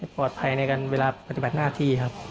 ปลอดภัยในการเวลาปฏิบัติหน้าที่ครับ